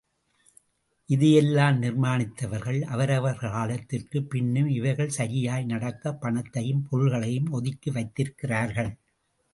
இதை யெல்லாம் நிர்மாணித்தவர்கள் அவரவர்கள் காலத்திற்குப் பின்னும் இவைகள் சரியாய் நடக்க பணத்தையும் பொருள்களையும், ஒதுக்கி வைத்திருக்கிறார்கள்.